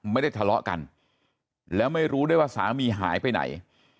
ไม่ได้ทะเลาะกันแล้วไม่รู้ด้วยว่าสามีหายไปไหน